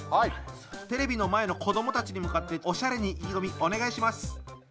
テレビの前の子どもたちに向かっておしゃれに意気込みお願いします。